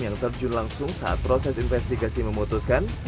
yang terjun langsung saat proses investigasi memutuskan